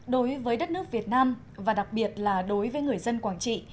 đối với đất nước việt nam và đặc biệt là đối với người dân quảng trị